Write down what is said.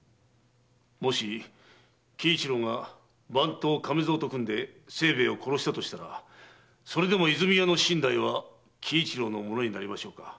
もし喜一郎が番頭・亀蔵と組んで清兵衛を殺したとしたらそれでも和泉屋の身代は喜一郎のものになりましょうか？